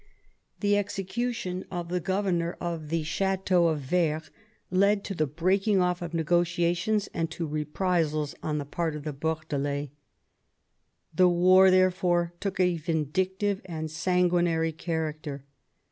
The execution of the governor of the chateau of Vayres led to the breaking off of negotia tions, and to reprisals on the part of the Bordelais. The war therefore took a vindictive and sanguinary character.